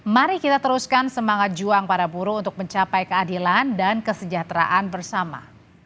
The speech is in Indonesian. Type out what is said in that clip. mari kita teruskan semangat juang para buruh untuk mencapai keadilan dan kesejahteraan bersama